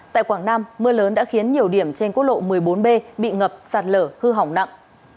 tại quảng nam mưa lớn đã khiến nhiều điểm trên quốc lộ một mươi bốn b bị ngập sạt lở hư hỏng nặng